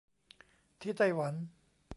ที่ไต้หวัน